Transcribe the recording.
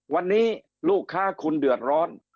วันนี้ลูกค้าคุณเดือดร้อน